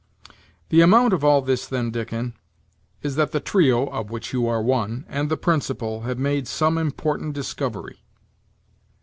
"The amount of all this, then, Dickon, is that the trio, of which you are one, and the principal, have made some important discovery."